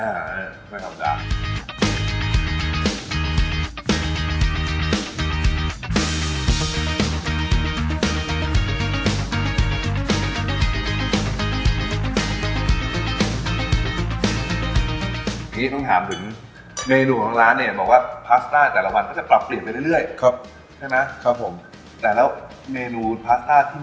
อันนี้ต้องถามถึงเมนูของร้านเนี่ย